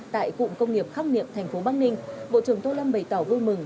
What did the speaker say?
tại cụng công nghiệp khắc niệm tp bắc ninh bộ trưởng tô lâm bày tỏ vui mừng